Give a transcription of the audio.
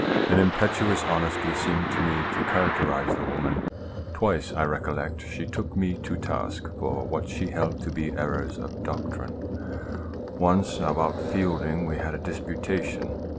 An impetuous honesty seemed to me to characterize the woman. Twice I recollect she took me to task for what she held to be errors in doctrine. Once about Fielding we had a disputation.